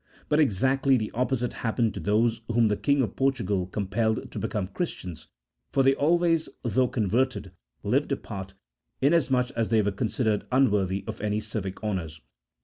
But exactly the opposite happened to those whom the king of Portugal compelled to become Christians, for they always, though converted, lived apart, inasmuch as they were con sidered unworthy of any civic honours.